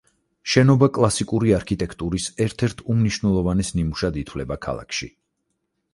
შენობა კლასიკური არქიტექტურის ერთ-ერთ უმნიშვნელოვანეს ნიმუშად ითვლება ქალაქში.